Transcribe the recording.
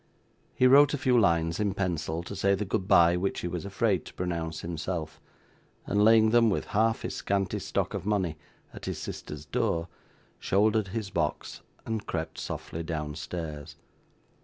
He wrote a few lines in pencil, to say the goodbye which he was afraid to pronounce himself, and laying them, with half his scanty stock of money, at his sister's door, shouldered his box and crept softly downstairs.